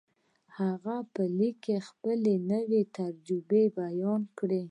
هغه په ليک کې خپلې نوې تجربې بيان کړې.